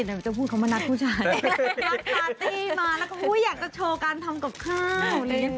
เอิ้นอยากจะโชว์การทำกับข้าว